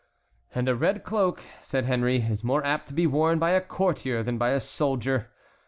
"And a red cloak," said Henry, "is more apt to be worn by a courtier than by a soldier.